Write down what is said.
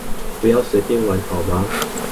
不要隨便玩好嗎